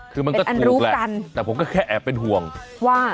คือมันก็รู้กันแต่ผมก็แค่แอบเป็นห่วงว่า